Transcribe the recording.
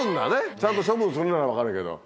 ちゃんと処分するなら分かるけど。